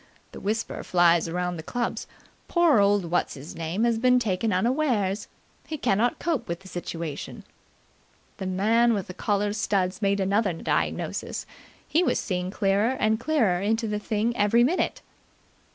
The whisper flies around the clubs: 'Poor old What's his name has been taken unawares. He cannot cope with the situation!'" The man with the collar studs made another diagnosis. He was seeing clearer and clearer into the thing every minute.